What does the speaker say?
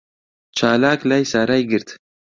چالاک لای سارای گرت.